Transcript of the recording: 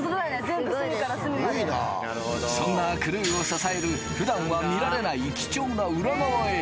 全部隅から隅までそんなクルーを支える普段は見られない貴重な裏側へ